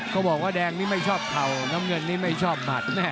บอกว่าแดงนี้ไม่ชอบเข่าน้ำเงินนี้ไม่ชอบหมัด